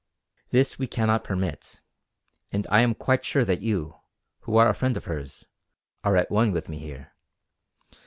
This we cannot permit; and I am quite sure that you, who are a friend of hers, are at one with me here.